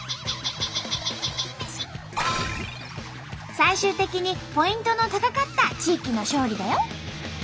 最終的にポイントの高かった地域の勝利だよ。